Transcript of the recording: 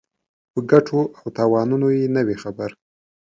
په ګټو او تاوانونو یې نه وي خبر.